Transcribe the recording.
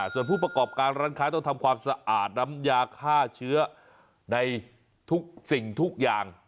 ส่วนผู้ประกอบการร้านค้าต้องทำความสะอาดน้ำยาฆ่าเชื้อในทุกสิ่งทุกอย่าง